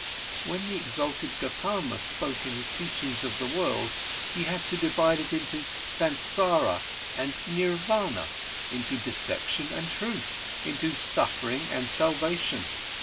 When the exalted Gotama spoke in his teachings of the world, he had to divide it into Sansara and Nirvana, into deception and truth, into suffering and salvation.